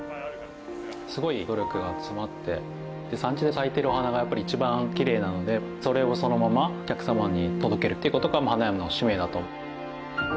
すごい努力が詰まって産地で咲いているお花がやっぱり一番キレイなのでそれをそのままお客様に届けるっていうことが花屋の使命だと。